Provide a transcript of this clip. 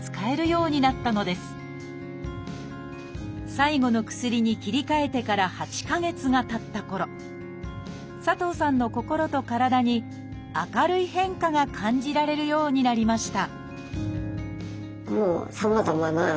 最後の薬に切り替えてから８か月がたったころ佐藤さんの心と体に明るい変化が感じられるようになりました